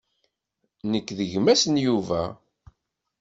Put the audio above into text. Nekk d gma-s n Yuba.